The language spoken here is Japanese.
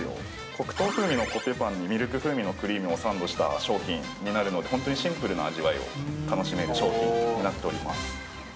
黒糖風味のコッペパンにミルク風味のクリームをサンドした商品になるので、本当にシンプルな味わいを楽しめる商品になっております。